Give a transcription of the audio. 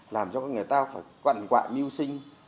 làm cho con người ta phải quần quại mưu sinh